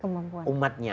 dia ukur dengan umatnya